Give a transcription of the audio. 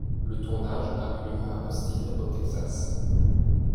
Le tournage a eu lieu à Austin au Texas.